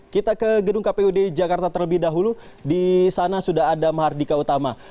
kita ke gedung kpud jakarta terlebih dahulu di sana sudah ada mahardika utama